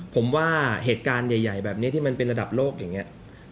ผมว่าเหตุการณ์ใหญ่แบบนี้ที่มันเป็นระดับโลกอย่างนี้